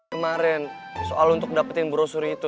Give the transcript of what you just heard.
kemarin soal untuk dapetin brosuri itu